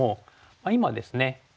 今ですね